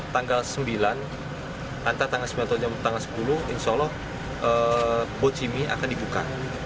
tanggal sembilan antar tanggal sembilan atau tanggal sepuluh insya allah bojimi akan dibuka